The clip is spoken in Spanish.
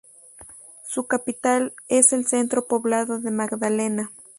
Su capital es el centro poblado de Magdalena.